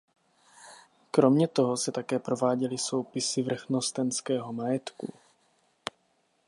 Kromě toho se také prováděly soupisy vrchnostenského majetku.